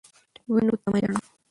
وینو ته مه ژاړه.